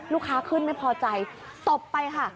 ลูกค้าขึ้นไม่พอใจตบไปค่ะ